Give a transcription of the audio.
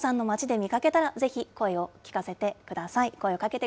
皆さんも街で見かけたら、ぜひ声を聞かせてください。